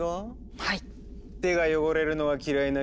はい。